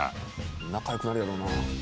仲良くなるやろうな。